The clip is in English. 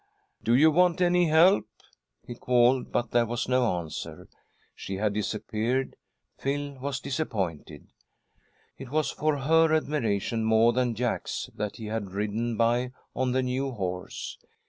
'" "Do you want any help?" he called, but there was no answer. She had disappeared. Phil was disappointed. It was for her admiration more than Jack's that he had ridden by on the new horse.